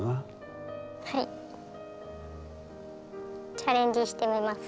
チャレンジしてみます。